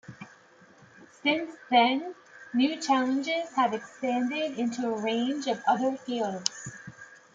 Since then, new challenges have expanded into a range of other fields.